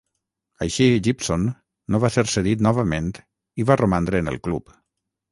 Així, Gibson no va ser cedit novament i va romandre en el club.